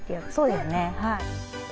そうですねはい。